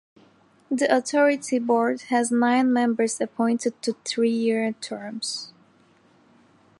The Authority Board has nine members appointed to three-year terms.